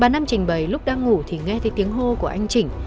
ba năm trình bày lúc đang ngủ thì nghe thấy tiếng hô của anh chỉnh